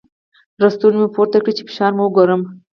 ړستونی مو پورته کړی چې فشار مو وګورم.